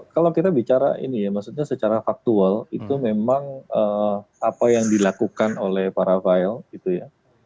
kalau kita bicara ini ya maksudnya secara faktual itu memang apa yang dilakukan oleh para rafael gitu ya